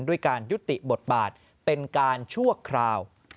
ด้วยการยุติบทบาทเป็นการชั่วคราว